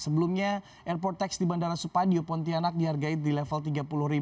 sebelumnya airport tax di bandara supadio pontianak dihargai di level tiga puluh